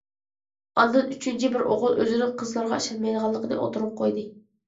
ئاندىن ئۈچىنچى بىر ئوغۇل ئۆزىنىڭ قىزلارغا ئىشەنمەيدىغانلىقىنى ئوتتۇرىغا قويدى.